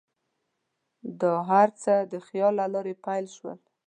دا هر څه د خیال له لارې پیل شول.